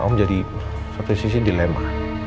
om jadi seberdisi dilema